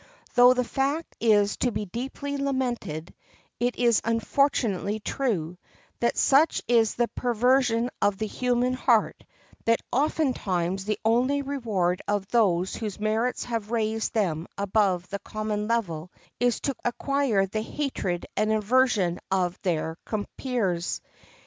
Though the fact is to be deeply lamented, it is unfortunately true, that such is the perversion of the human heart that ofttimes the only reward of those whose merits have raised them above the common level is to acquire the hatred and aversion of their compeers.